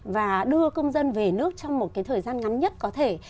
và đưa công dân về nước trong một thời gian ngắn nhất có thể